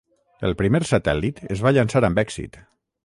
El primer satèl·lit es va llançar amb èxit.